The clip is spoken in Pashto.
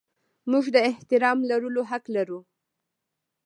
موږ د احترام لرلو حق لرو.